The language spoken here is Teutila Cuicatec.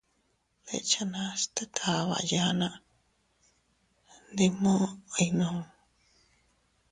Deʼechanas tet aʼaba yanna, ndi muʼu iynuu.